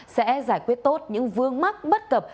sẽ giải quyết tốt những vương mắc bất cập